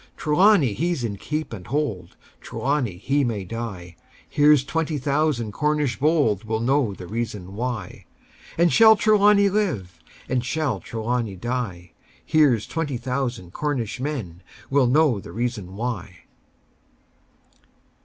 Trelawny he's in keep and hold; Trelawny he may die: Here's twenty thousand Cornish bold Will know the reason why And shall Trelawny live? Or shall Trelawny die? Here's twenty thousand Cornish men Will know the reason why!